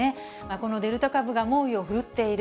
このデルタ株が猛威を振るっている。